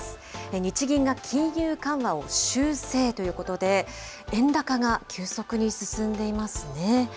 日銀が金融緩和を修正ということで、円高が急速に進んでいますね。